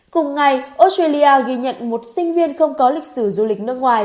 cùng ngày australia ghi nhận một sinh viên không có lịch sử du lịch nước ngoài